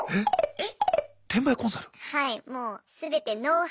えっ！